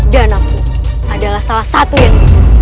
dan aku adalah salah satu yang